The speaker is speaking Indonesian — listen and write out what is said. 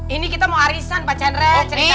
ini kita mau arisan pak jandra ceritain